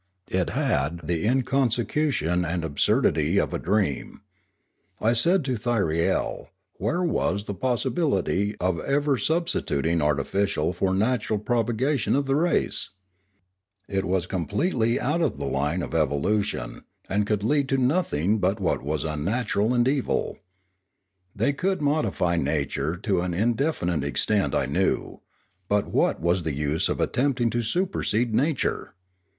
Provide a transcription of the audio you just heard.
It had the inconsecution and absurdity of a dream. I said to Thyriel, where was the possibility of ever substituting artificial for natural propagation of the race ? It was completely out of the line of evolu tion, and could lead to nothing but what was unnatural and evil. They could modify nature to an indefinite extent, I knew; but what was the use of attempting to supersede nature?